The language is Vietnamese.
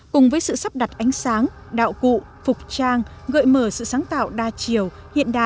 cùng với sự thay đổi của múa đôi duo và múa ba trio phức tạp